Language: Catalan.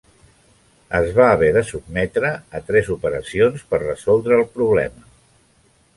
Es va haver de sotmetre a tres operacions per resoldre el problema.